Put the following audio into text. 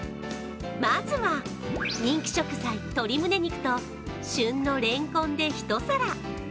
まずは、人気食材、鶏むね肉と旬のれんこんで、ひと皿。